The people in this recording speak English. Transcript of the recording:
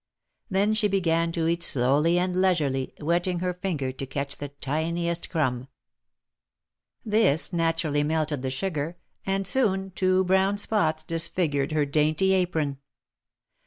Then she began to eat slowly and leisurely, wetting her finger to catch the tiniest crumb. This naturally melted the sugar, and soon two brown spots disfigured her dainty apron.